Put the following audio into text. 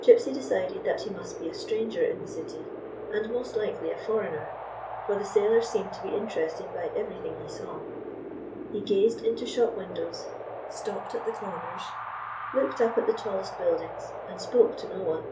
Gypsy decided that he must be a stranger in the city, and most likely a foreigner ; for the sailor seemed to be interested by everything he saw. He gazed into shop windows, shaped at the corners, looked up at the tallest buildings, and spoke to no one.